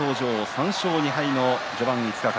３勝２敗、序盤５日間。